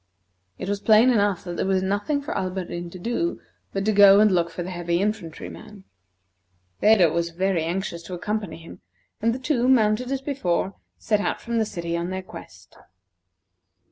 It was plain enough that there was nothing for Alberdin to do but to go and look for the heavy infantry man. Phedo was very anxious to accompany him, and the two, mounted as before, set out from the city on their quest.